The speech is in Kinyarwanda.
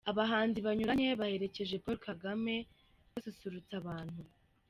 Abahanzi banyuranye baherekeje Paul Kagame basusurutsa abantu.